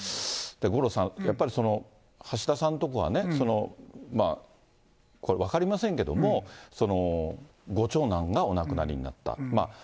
五郎さん、やっぱり橋田さんとこはね、これ、分かりませんけども、ご長男がお亡くなりになった。